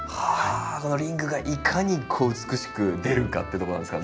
このリングがいかに美しく出るかってとこなんですかね。